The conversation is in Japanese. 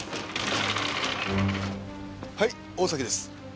はい大崎です。